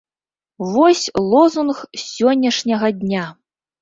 Вось лозунг сённяшняга дня!